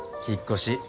引っ越し